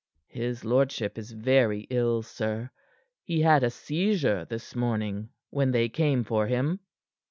"His lordship is very ill, sir. He had a seizure this morning when they came for him."